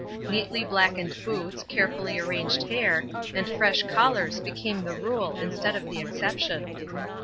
Neatly blackened boots, carefully arranged hair, and fresh collars became the rule instead of the exception.